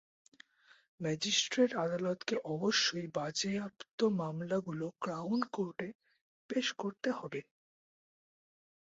Magistrate আদালতকে অবশ্যই বাজেয়াপ্ত মামলাগুলো ক্রাউন কোর্টে পেশ করতে হবে।